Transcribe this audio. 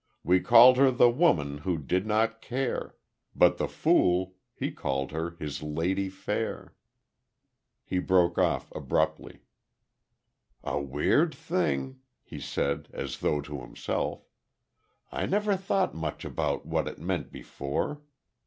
We called her the woman who did not care. But the fool, he called her his Lady Fair " He broke off, abruptly. "A weird thing," he said, as though to himself. "I never thought much about what it meant before...."